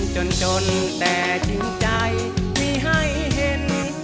จนจนแต่จริงใจมีให้เห็น